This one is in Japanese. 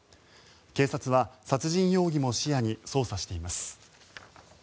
警察は殺人容疑も視野に捜査しています。